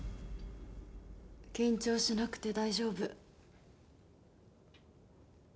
緊張しなくて大丈夫。